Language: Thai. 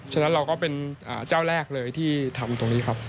ฉะนั้นเราก็เป็นเจ้าแรกเลยที่ทำตรงนี้ครับ